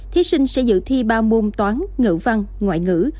thí sinh sẽ dự thi ba môn toán ngữ văn ngoại ngữ